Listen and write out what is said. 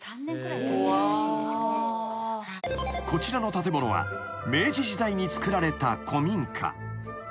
［こちらの建物は明治時代に造られた古民家］